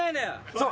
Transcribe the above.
そう。